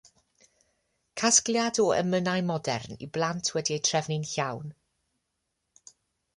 Casgliad o emynau modern i blant wedi eu trefnu'n llawn.